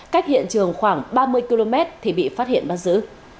cách hiện trường khoảng ba mươi km thì bị phát hiện bắt giữ